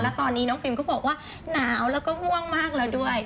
แล้วตอนนี้น้องฟิล์มก็บอกว่าหนาวแล้วก็ห่วงมากแล้วด้วย